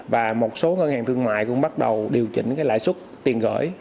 và một số ngân hàng thương mại cũng bắt đầu điều chỉnh lãi suất tiền gửi